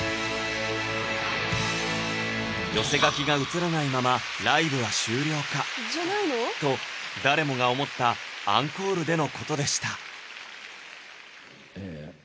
寄せ書きが映らないままライブは終了かと誰もが思ったアンコールでのことでしたえ